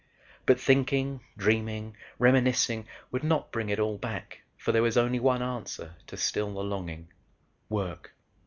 But thinking, dreaming, reminiscing would not bring it all back for there was only one answer to still the longing: work.